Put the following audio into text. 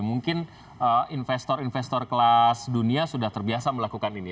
mungkin investor investor kelas dunia sudah terbiasa melakukan ini